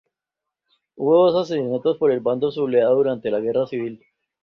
Hubo dos asesinatos por el bando sublevado durante la guerra civil.